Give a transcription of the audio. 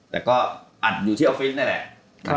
แต่ก็อัดอยู่ที่ออฟฟิศนั่นแหละ